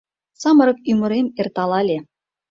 Самырык ӱмырем эрталале